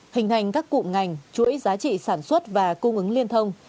hình thành các cụm ngành chuỗi giá trị sản xuất và cung ứng liên thông